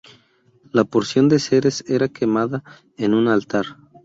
La porción de Ceres era quemada en un altar.